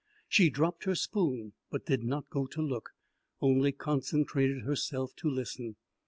She dropped her spoon, but did not go to look, only concentrated herself to listen.